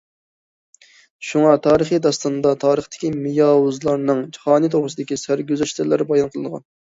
شۇڭا تارىخىي داستاندا تارىختىكى مياۋزۇلارنىڭ خانى توغرىسىدىكى سەرگۈزەشتلەر بايان قىلىنغان.